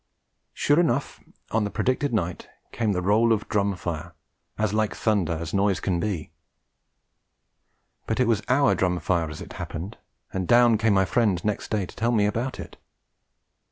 Sure enough, on the predicted night, came the roll of drum fire, as like thunder as a noise can be; but it was our drum fire, as it happened, and down came my friend next day to tell me all about it.